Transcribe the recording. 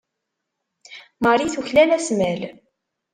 Marie tuklal asmal.